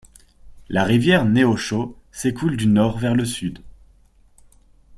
La rivière Neosho s'écoule du Nord vers le Sud.